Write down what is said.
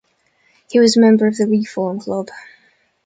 He was a member of the Reform Club.